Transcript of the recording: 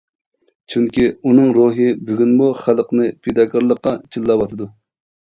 چۈنكى ئۇنىڭ روھى بۈگۈنمۇ خەلقنى پىداكارلىققا چىللاۋاتىدۇ.